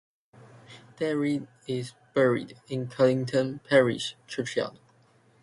David is buried in Colinton Parish Churchyard.